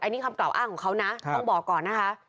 อันนี้คำกล่าวอ้างของเขานะต้องบอกก่อนนะคะ